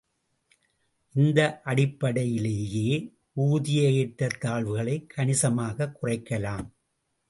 இந்த அடிப்படையிலேயே ஊதிய ஏற்றத் தாழ்வுகளைக் கணிசமாகக் குறைக்கலாம்.